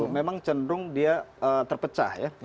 memang cenderung dia terpecah ya